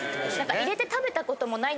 入れて食べたこともないんですけど。